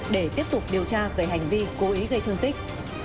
để tiếp tục điều tra về hành vi cố ý gây thương tích